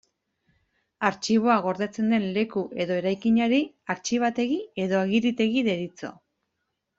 Artxiboa gordetzen den leku edo eraikinari artxibategi edo agiritegi deritzo.